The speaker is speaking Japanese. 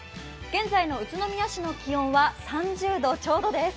現在の宇都宮市の気温は３０度ちょうどです。